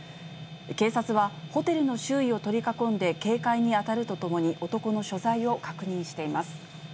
警察は、ホテルの周囲を取り囲んで警戒に当たるとともに男の所在を確認しています。